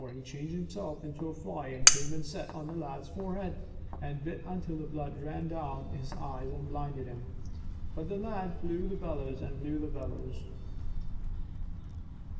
He changed himself into a fly and came and sat on the lad's forehead, and bit until the blood ran down into his eyes and blinded him ; but the lad blew the bellows and blew the bellows.